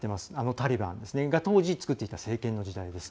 タリバンが当時作っていた政権の時代です。